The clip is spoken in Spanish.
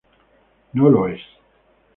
No lo es.